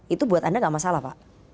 itu buat anda nggak masalah pak